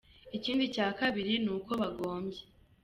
Ikindi cya kabiri ni uko bagombye.